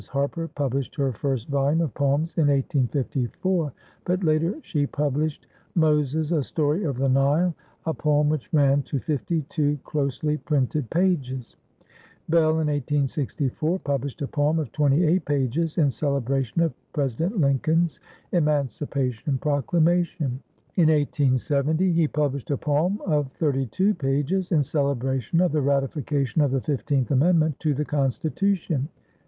Harper published her first volume of poems in 1854, but later she published "Moses, a Story of the Nile," a poem which ran to 52 closely printed pages. Bell in 1864 published a poem of 28 pages in celebration of President Lincoln's Emancipation Proclamation. In 1870 he published a poem of 32 pages in celebration of the ratification of the Fifteenth Amendment to the Constitution.